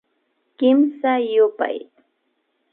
Kimsa yupay